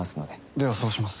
ではそうします。